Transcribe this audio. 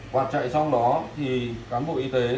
quạt chạy xong đó thì cán bộ y tế